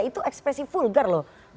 itu ekspresi vulgar loh prof hendrawan